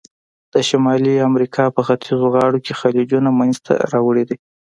د شمالي امریکا په ختیځو غاړو کې خلیجونه منځته راوړي دي.